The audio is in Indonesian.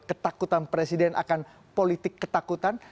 ketakutan presiden akan politik ketakutan